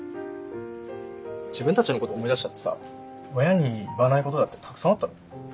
自分たちのこと思い出したらさ親に言わないことだってたくさんあったろ？